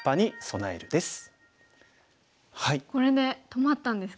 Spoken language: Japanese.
これで止まったんですか。